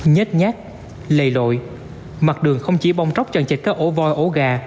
nhét nhát lề lội mặt đường không chỉ bong tróc trần trệt các ổ voi ổ gà